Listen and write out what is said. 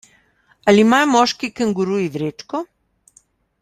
Ali imajo moški kenguruji vrečko?